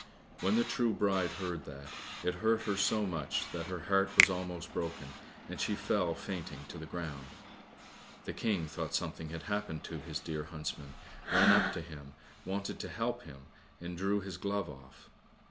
When the true bride heard that, it hurt her so much that her heart was almost broken, and she fell fainting to the ground. The King thought something had happened to his dear huntsman, ran up to him, wanted to help him, and drew his glove off.